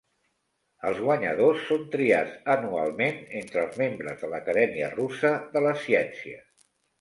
Els guanyadors són triats anualment entre els membres de l'Acadèmia Russa de les Ciències.